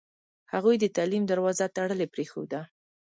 هغوی د تعلیم دروازه تړلې پرېښوده.